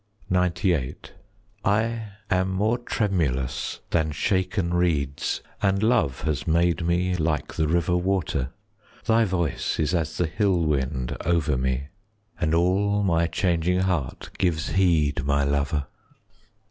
20 XCVIII I am more tremulous than shaken reeds, And love has made me like the river water. Thy voice is as the hill wind over me, And all my changing heart gives heed, my lover.